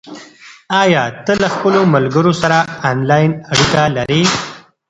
آیا ته له خپلو ملګرو سره آنلاین اړیکه لرې؟